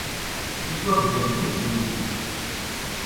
Ittwabder-d yisem-ik.